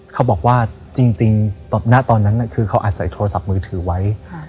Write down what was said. เขาบอกว่าจริงจริงหน้าตอนนั้นน่ะคือเขาอาจใส่โทรศัพท์มือถือไว้